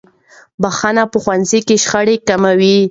بخښنه په ښوونځي کې شخړې کموي.